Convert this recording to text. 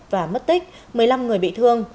và mất tích một mươi năm người bị thương